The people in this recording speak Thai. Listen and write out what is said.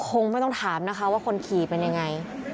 คงไม่ต้องถามนะคะว่าคนขี่เป็นยังไง